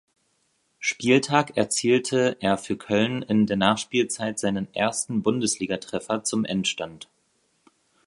Spieltag erzielte er für Köln in der Nachspielzeit seinen ersten Bundesligatreffer zum Endstand.